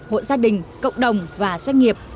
hội gia đình cộng đồng và doanh nghiệp